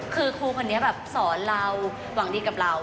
คือครูคนนี้แบบสอนเราหวังดีกับเรา